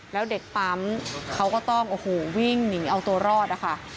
แล้วเด็กปั๊มเขาก็ต้องโอ้โหวิ่งหนีเอาตัวรอดนะคะ